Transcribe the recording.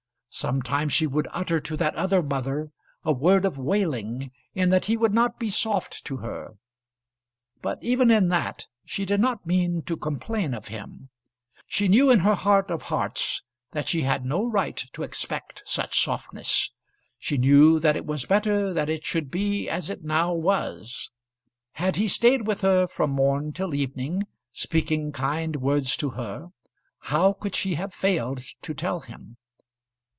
Sometimes she would utter to that other mother a word of wailing, in that he would not be soft to her; but even in that she did not mean to complain of him. She knew in her heart of hearts that she had no right to expect such softness. She knew that it was better that it should be as it now was. Had he stayed with her from morn till evening, speaking kind words to her, how could she have failed to tell him?